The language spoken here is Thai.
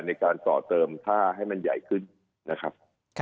ในการต่อเติมท่าให้มันใหญ่ขึ้นนะครับ